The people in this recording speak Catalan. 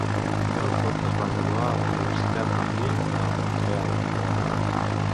Melford es va graduar a la Universitat McGill de Montreal, Canadà.